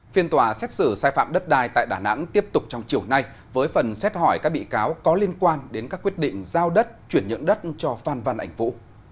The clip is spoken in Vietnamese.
phiên tòa xét xử sai phạm đất đai tại đà nẵng tiếp tục trong chiều nay với phần xét hỏi các bị cáo có liên quan đến các quyết định giao đất chuyển nhượng đất cho phan văn ảnh vũ